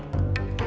neneng udah masak